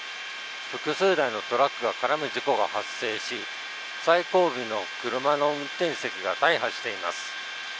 複数台のトラックが絡む事故が発生し、最後尾の車の運転席が大破しています。